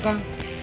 aku ingat aja